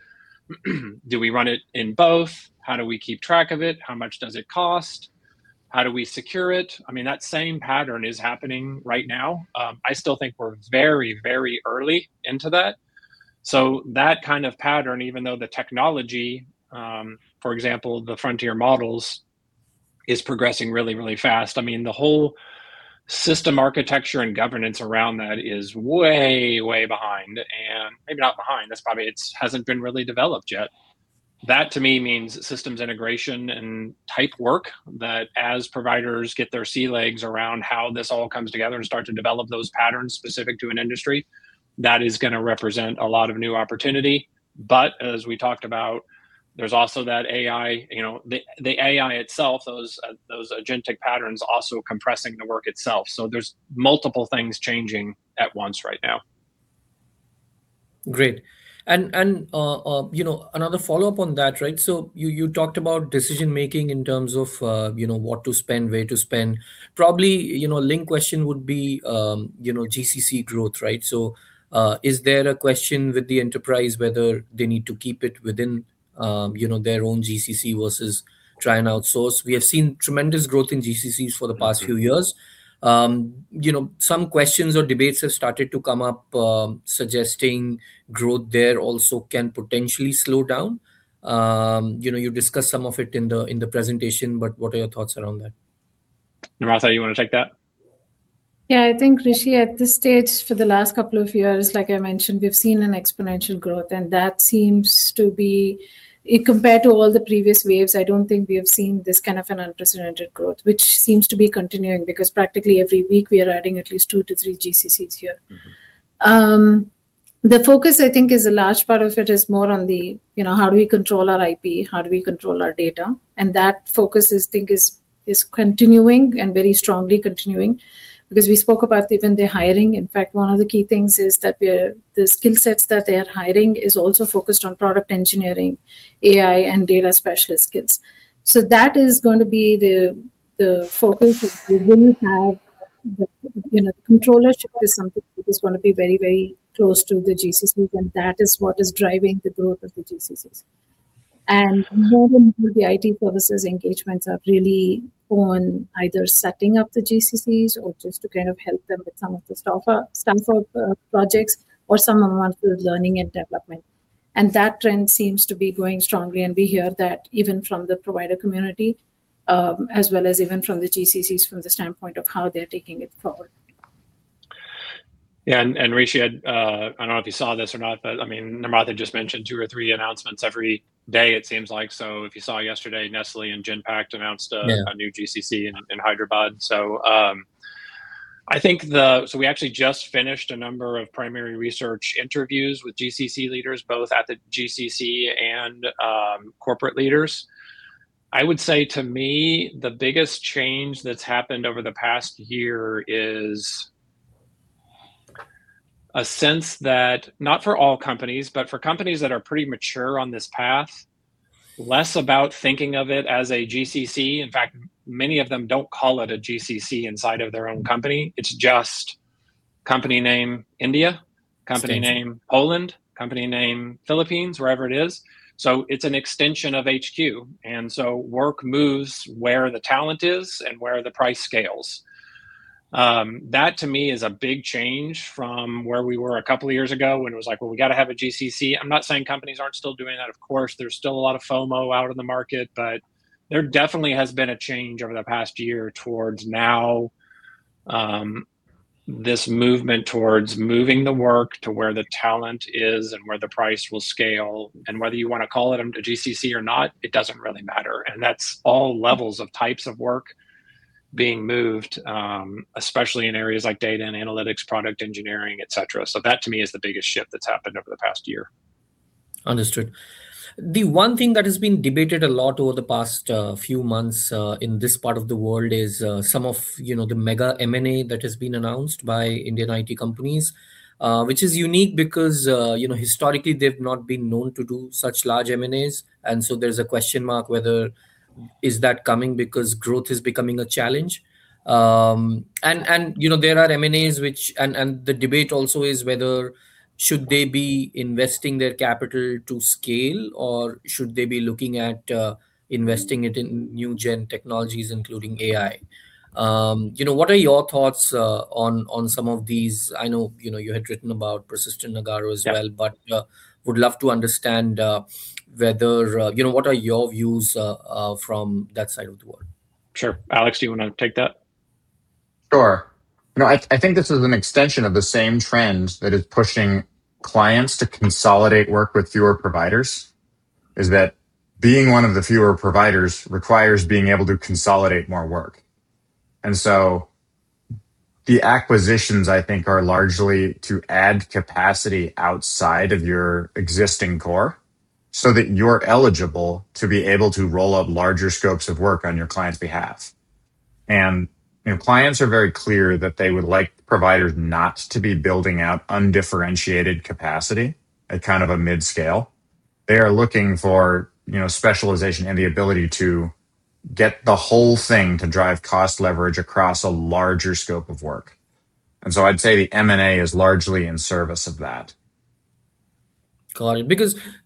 Do we run it in both? How do we keep track of it? How much does it cost? How do we secure it?" That same pattern is happening right now. I still think we're very early into that. That kind of pattern, even though the technology, for example, the frontier models, is progressing really fast. The whole system architecture and governance around that is way behind. Maybe not behind, that's probably it hasn't been really developed yet. That to me means systems integration and type work that as providers get their sea legs around how this all comes together and start to develop those patterns specific to an industry, that is going to represent a lot of new opportunity. But as we talked about, there's also that AI, the AI itself, those agentic patterns also compressing the work itself. There's multiple things changing at once right now. Great. Another follow-up on that. You talked about decision making in terms of what to spend, where to spend. Probably link question would be GCC growth. Is there a question with the enterprise whether they need to keep it within their own GCC versus try and outsource? We have seen tremendous growth in GCC for the past few years. Some questions or debates have started to come up suggesting growth there also can potentially slow down. You discussed some of it in the presentation, but what are your thoughts around that? Namratha, you want to take that? Yeah, I think, Rishi, at this stage, for the last couple of years, like I mentioned, we've seen an exponential growth. That seems to be, compared to all the previous waves, I don't think we have seen this kind of an unprecedented growth, which seems to be continuing, because practically every week, we are adding at least two to three GCCs here. The focus, I think, is a large part of it is more on the how do we control our IP, how do we control our data, and that focus I think is continuing and very strongly continuing because we spoke about even the hiring. One of the key things is that the skill sets that they are hiring is also focused on product engineering, AI, and data specialist skills. That is going to be the focus is they really have the controllership is something they just want to be very close to the GCCs, and that is what is driving the growth of the GCCs. More than the IT services engagements are really on either setting up the GCCs or just to kind of help them with some of the staff up projects or some of them on to learning and development. That trend seems to be growing strongly, and we hear that even from the provider community, as well as even from the GCCs from the standpoint of how they're taking it forward. Rishi, I don't know if you saw this or not, but Namratha just mentioned two or three announcements every day, it seems like. If you saw yesterday, Nestlé and Genpact announced new GCC in Hyderabad. We actually just finished a number of primary research interviews with GCC leaders, both at the GCC and corporate leaders. I would say to me, the biggest change that's happened over the past year is a sense that not for all companies, but for companies that are pretty mature on this path, less about thinking of it as a GCC. In fact, many of them don't call it a GCC inside of their own company. It's just company name India, company name Poland, company name Philippines, wherever it is. It's an extension of HQ, work moves where the talent is and where the price scales. That to me is a big change from where we were a couple of years ago when it was like, "Well, we've got to have a GCC." I'm not saying companies aren't still doing that. Of course, there's still a lot of FOMO out in the market, but there definitely has been a change over the past year towards now, this movement towards moving the work to where the talent is and where the price will scale. Whether you want to call it a GCC or not, it doesn't really matter. That's all levels of types of work being moved, especially in areas like data and analytics, product engineering, et cetera. That to me is the biggest shift that's happened over the past year. Understood. The one thing that has been debated a lot over the past few months in this part of the world is some of the mega M&A that has been announced by Indian IT companies, which is unique because historically, they've not been known to do such large M&As. There's a question mark whether is that coming because growth is becoming a challenge? The debate also is whether should they be investing their capital to scale, or should they be looking at investing it in new gen technologies, including AI? What are your thoughts on some of these? I know you had written about Persistent, Nagarro as well. Would love to understand what are your views from that side of the world. Sure. Alex, do you want to take that? Sure. I think this is an extension of the same trend that is pushing clients to consolidate work with fewer providers, is that being one of the fewer providers requires being able to consolidate more work. The acquisitions, I think, are largely to add capacity outside of your existing core, so that you're eligible to be able to roll up larger scopes of work on your client's behalf. Clients are very clear that they would like providers not to be building out undifferentiated capacity at kind of a mid-scale. They are looking for specialization and the ability to get the whole thing to drive cost leverage across a larger scope of work. I'd say the M&A is largely in service of that. Got it.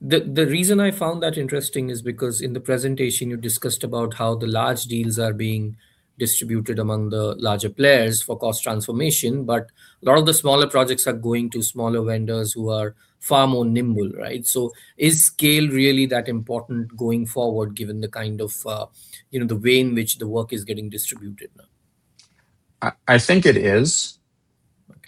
The reason I found that interesting is because in the presentation, you discussed about how the large deals are being distributed among the larger players for cost transformation, but a lot of the smaller projects are going to smaller vendors who are far more nimble, right? Is scale really that important going forward given the way in which the work is getting distributed now? I think it is,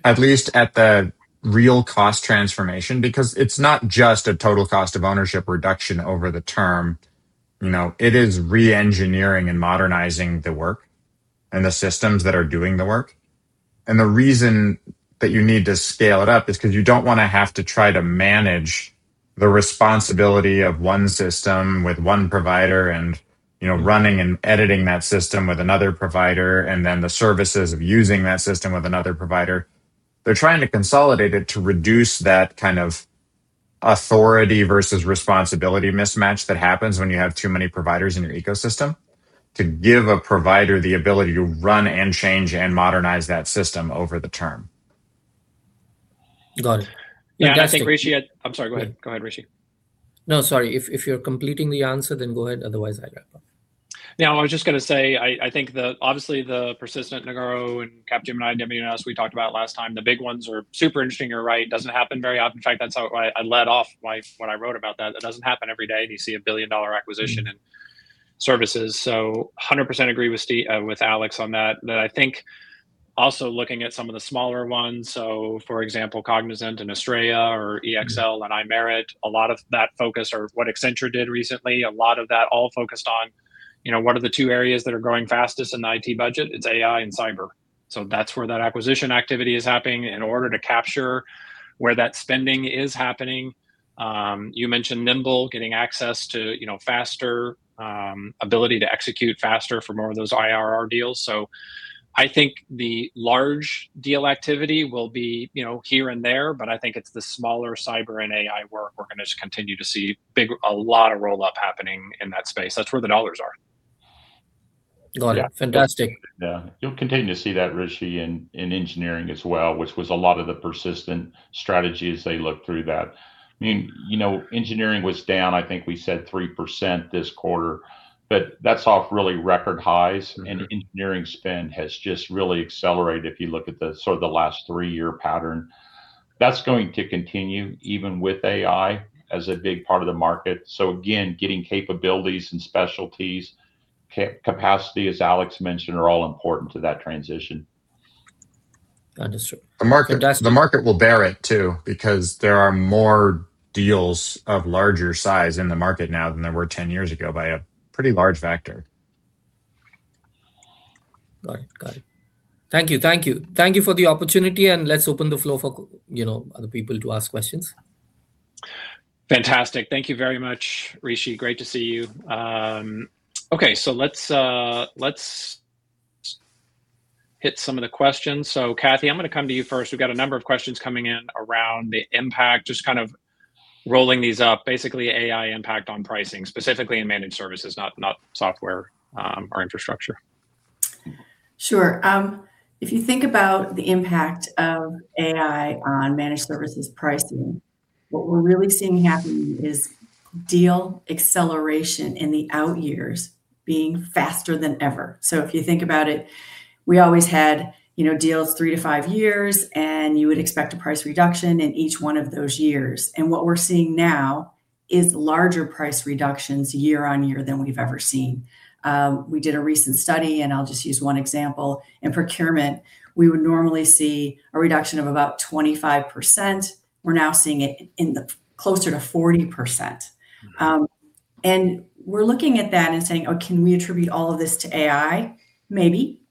at least at the real cost transformation, because it's not just a total cost of ownership reduction over the term. It is re-engineering and modernizing the work and the systems that are doing the work. The reason that you need to scale it up is because you don't want to have to try to manage the responsibility of one system with one provider and running and editing that system with another provider, and then the services of using that system with another provider. They're trying to consolidate it to reduce that kind of authority versus responsibility mismatch that happens when you have too many providers in your ecosystem to give a provider the ability to run and change and modernize that system over the term. Got it. I think Rishi, I'm sorry, go ahead. Go ahead, Rishi. No, sorry. If you're completing the answer, go ahead. Otherwise, I'll wrap up. Yeah, I was just going to say, I think obviously the Persistent, Nagarro, Capgemini, WNS we talked about last time, the big ones are super interesting. You're right. It doesn't happen very often. In fact, that's why I led off when I wrote about that. That doesn't happen every day, you see a billion-dollar acquisition in services. I 100% agree with Alex on that. I think also looking at some of the smaller ones, for example, Cognizant and Astreya or EXL and iMerit, a lot of that focus or what Accenture did recently, a lot of that all focused on what are the two areas that are growing fastest in the IT budget? It's AI and cyber. That's where that acquisition activity is happening in order to capture where that spending is happening. You mentioned nimble, getting access to faster ability to execute faster for more of those IRR deals. I think the large deal activity will be here and there, I think it's the smaller cyber and AI work we're gonna just continue to see a lot of roll-up happening in that space. That's where the dollars are. Got it. Fantastic. Yeah. You'll continue to see that, Rishi, in engineering as well, which was a lot of the Persistent strategy as they look through that. Engineering was down, I think we said 3% this quarter, but that's off really record highs. Engineering spend has just really accelerated if you look at the last three-year pattern. That's going to continue, even with AI as a big part of the market. Again, getting capabilities and specialties, capacity, as Alex mentioned, are all important to that transition. Understood. Fantastic. The market will bear it, too, because there are more deals of larger size in the market now than there were 10 years ago by a pretty large factor. Got it. Thank you. Thank you for the opportunity. Let's open the floor for other people to ask questions. Fantastic. Thank you very much, Rishi. Great to see you. Let's hit some of the questions. Kathy, I'm going to come to you first. We've got a number of questions coming in around the impact, just rolling these up. Basically, AI impact on pricing, specifically in managed services, not software or infrastructure. Sure. If you think about the impact of AI on managed services pricing. What we're really seeing happening is deal acceleration in the out years being faster than ever. If you think about it, we always had deals three to five years. You would expect a price reduction in each one of those years. What we're seeing now is larger price reductions year on year than we've ever seen. We did a recent study. I'll just use one example. In procurement, we would normally see a reduction of about 25%. We're now seeing it closer to 40%. We're looking at that and saying, "Oh, can we attribute all of this to AI?" Maybe,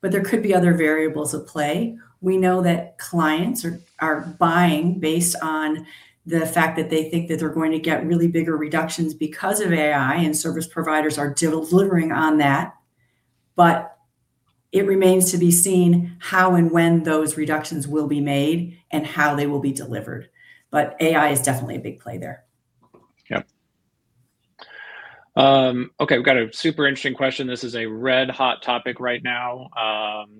but there could be other variables at play. We know that clients are buying based on the fact that they think that they're going to get really bigger reductions because of AI. Service providers are delivering on that. It remains to be seen how and when those reductions will be made. How they will be delivered. AI is definitely a big play there. Yep. Okay, we've got a super interesting question. This is a red-hot topic right now.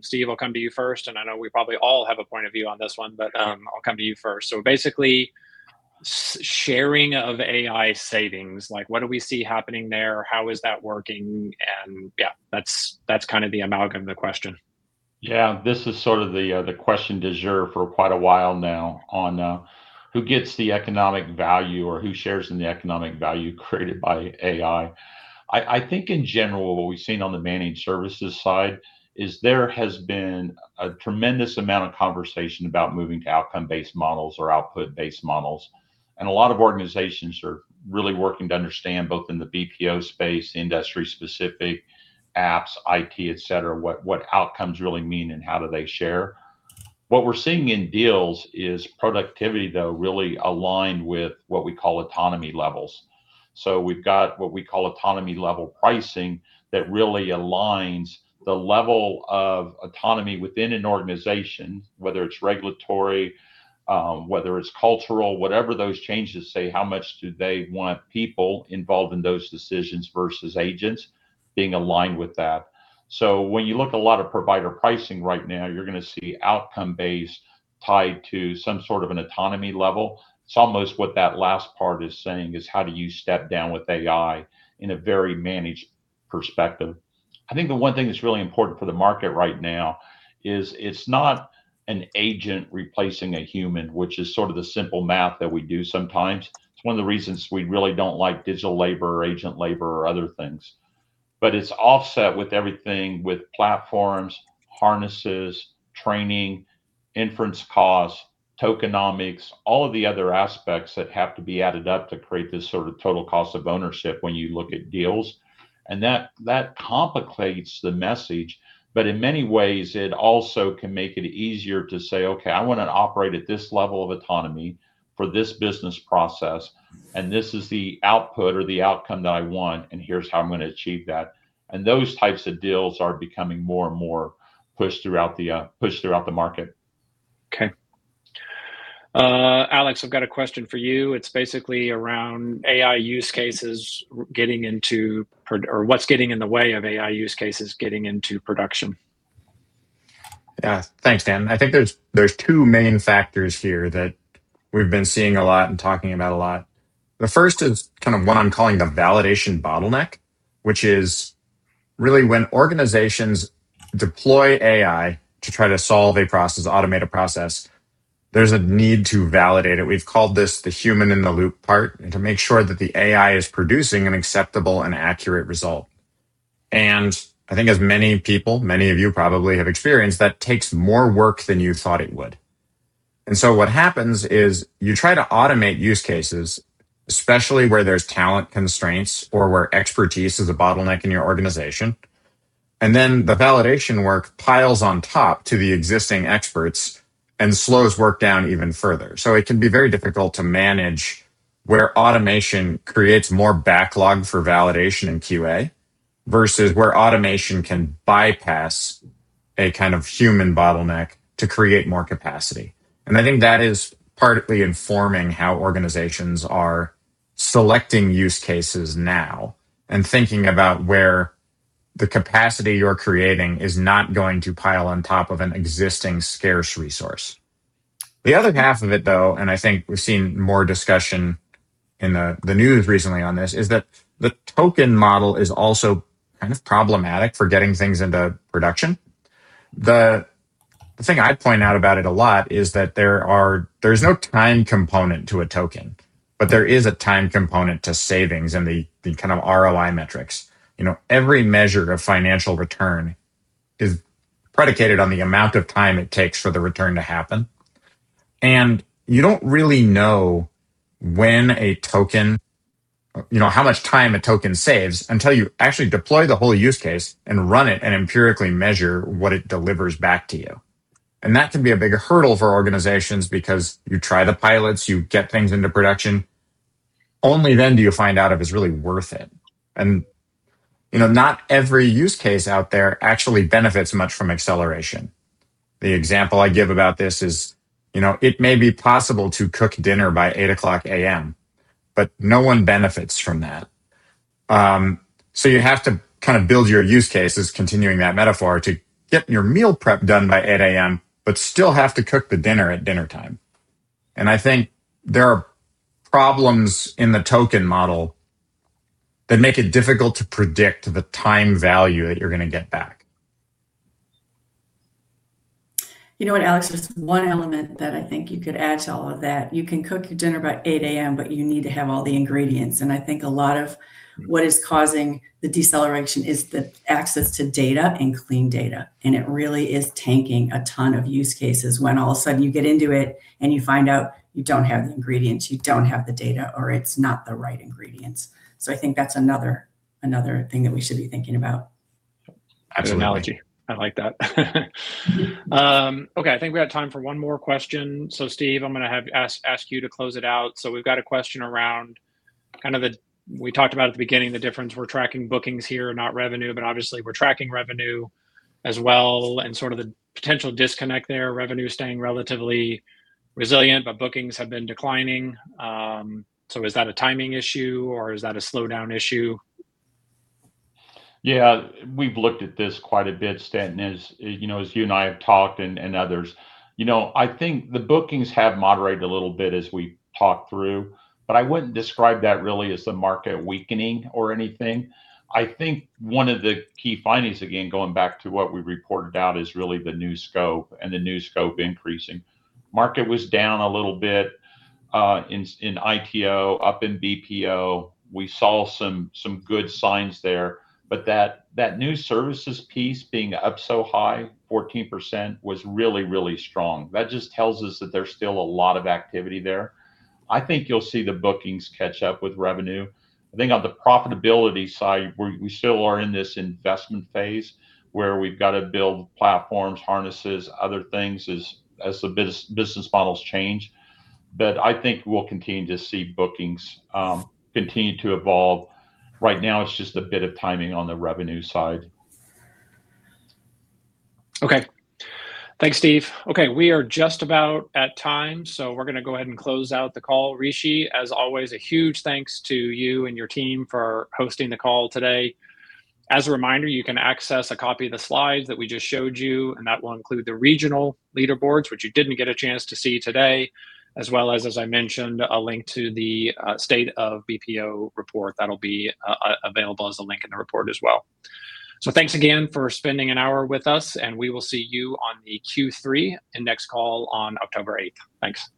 Steve, I'll come to you first, and I know we probably all have a point of view on this one, but I'll come to you first. Basically, sharing of AI savings, what do we see happening there? How is that working? Yeah, that's the amalgam of the question. Yeah. This is sort of the question du jour for quite a while now on who gets the economic value or who shares in the economic value created by AI. I think, in general, what we've seen on the managed services side is there has been a tremendous amount of conversation about moving to outcome-based models or output-based models. A lot of organizations are really working to understand, both in the BPO space, industry-specific apps, IT, et cetera, what outcomes really mean and how do they share. What we're seeing in deals is productivity, though, really aligned with what we call autonomy levels. We've got what we call autonomy-level pricing that really aligns the level of autonomy within an organization. Whether it's regulatory, whether it's cultural, whatever those changes say, how much do they want people involved in those decisions versus agents being aligned with that. When you look at a lot of provider pricing right now, you're going to see outcome-based tied to some sort of an autonomy level. It's almost what that last part is saying is how do you step down with AI in a very managed perspective. I think the one thing that's really important for the market right now is it's not an agent replacing a human, which is sort of the simple math that we do sometimes. It's one of the reasons we really don't like digital labor or agent labor or other things. It's offset with everything with platforms, harnesses, training, inference costs, tokenomics, all of the other aspects that have to be added up to create this sort of total cost of ownership when you look at deals. That complicates the message, but in many ways, it also can make it easier to say, "Okay, I want to operate at this level of autonomy for this business process, and this is the output or the outcome that I want, and here's how I'm going to achieve that." Those types of deals are becoming more and more pushed throughout the market. Okay. Alex, I've got a question for you. It's basically around AI use cases, or what's getting in the way of AI use cases getting into production. Yeah. Thanks, Stan. I think there's two main factors here that we've been seeing a lot and talking about a lot. The first is kind of one I'm calling the validation bottleneck, which is really when organizations deploy AI to try to solve a process, automate a process, there's a need to validate it. We've called this the human in the loop part, and to make sure that the AI is producing an acceptable and accurate result. I think as many people, many of you probably have experienced, that takes more work than you thought it would. What happens is you try to automate use cases, especially where there's talent constraints or where expertise is a bottleneck in your organization. The validation work piles on top to the existing experts and slows work down even further. It can be very difficult to manage where automation creates more backlog for validation in QA, versus where automation can bypass a kind of human bottleneck to create more capacity. I think that is partly informing how organizations are selecting use cases now and thinking about where the capacity you're creating is not going to pile on top of an existing scarce resource. The other half of it, though, and I think we've seen more discussion in the news recently on this, is that the token model is also kind of problematic for getting things into production. The thing I'd point out about it a lot is that there's no time component to a token, but there is a time component to savings and the kind of ROI metrics. Every measure of financial return is predicated on the amount of time it takes for the return to happen. You don't really know how much time a token saves until you actually deploy the whole use case and run it and empirically measure what it delivers back to you. That can be a bigger hurdle for organizations because you try the pilots, you get things into production, only then do you find out if it's really worth it. Not every use case out there actually benefits much from acceleration. The example I give about this is, it may be possible to cook dinner by 8:00 A.M., but no one benefits from that. You have to kind of build your use cases, continuing that metaphor, to get your meal prep done by 8:00 A.M., but still have to cook the dinner at dinner time. I think there are problems in the token model that make it difficult to predict the time value that you're going to get back. You know what, Alex, there's one element that I think you could add to all of that. You can cook your dinner by 8:00 A.M., but you need to have all the ingredients. I think a lot of what is causing the deceleration is the access to data and clean data. It really is tanking a ton of use cases when all of a sudden you get into it and you find out you don't have the ingredients, you don't have the data, or it's not the right ingredients. I think that's another thing that we should be thinking about. Absolutely. Nice analogy. I like that. Okay. I think we have time for one more question. Steve, I'm going to ask you to close it out. We've got a question around kind of we talked about at the beginning, the difference, we're tracking bookings here, not revenue, but obviously we're tracking revenue as well and sort of the potential disconnect there. Revenue staying relatively resilient, but bookings have been declining. Is that a timing issue or is that a slowdown issue? Yeah. We've looked at this quite a bit, Stanton, as you and I have talked, and others. I think the bookings have moderated a little bit as we talked through, but I wouldn't describe that really as the market weakening or anything. I think one of the key findings, again, going back to what we reported out, is really the new scope and the new scope increasing. Market was down a little bit, in ITO, up in BPO. We saw some good signs there, but that new services piece being up so high, 14%, was really, really strong. That just tells us that there's still a lot of activity there. I think you'll see the bookings catch up with revenue. I think on the profitability side, we still are in this investment phase where we've got to build platforms, harnesses, other things, as the business models change. I think we'll continue to see bookings continue to evolve. Right now, it's just a bit of timing on the revenue side. Okay. Thanks, Steve. Okay, we are just about at time, so we're going to go ahead and close out the call. Rishi, as always, a huge thanks to you and your team for hosting the call today. As a reminder, you can access a copy of the slides that we just showed you, and that will include the regional leaderboards, which you didn't get a chance to see today, as well as I mentioned, a link to the State of BPO Report. That'll be available as a link in the report as well. Thanks again for spending an hour with us, and we will see you on the Q3 index call on October 8th. Thanks.